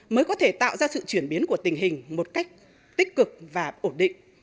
mới có thể tạo ra sự chuyển biến của tình hình một cách tích cực và ổn định